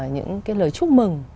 những cái lời chúc mừng